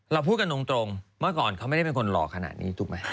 พูดกันตรงเมื่อก่อนเขาไม่ได้เป็นคนหล่อขนาดนี้ถูกไหม